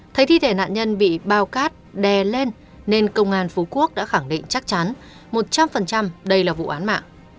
thấy thi thể nạn nhân bị bao cát đè lên nên công an phú quốc đã khẳng định chắc chắn một trăm linh đây là vụ án mạng